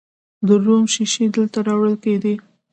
د روم شیشې دلته راوړل کیدې